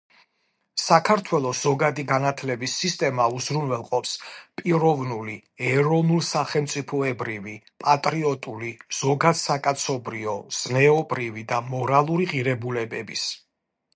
საქართველოს ზოგადი განათლების სისტემა უზრუნველყოფს პიროვნული, ეროვნულსახელმწიფოებრივი, პატრიოტული, ზოგადსაკაცობრიო, ზნეობრივი და მორალური ღირებულებების